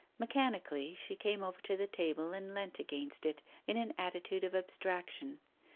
Mechanically she came over to the table and leant against it in an attitude of abstraction.